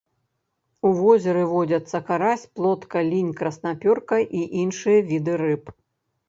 У возеры водзяцца карась, плотка, лінь, краснапёрка і іншыя віды рыб.